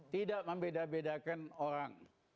tidak membedakan orang